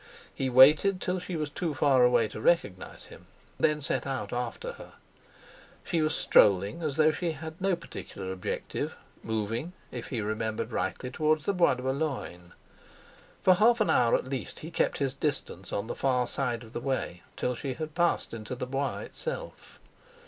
He waited till she was too far away to recognise him, then set out after her. She was strolling as though she had no particular objective; moving, if he remembered rightly, toward the Bois de Boulogne. For half an hour at least he kept his distance on the far side of the way till she had passed into the Bois itself.